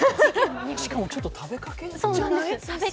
しかもちょっと食べかけじゃない？